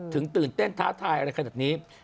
ตื่นเต้นท้าทายอะไรขนาดนี้